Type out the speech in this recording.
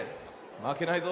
まけないぞ。